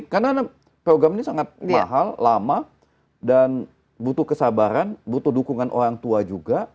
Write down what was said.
karena program ini sangat mahal lama dan butuh kesabaran butuh dukungan orang tua juga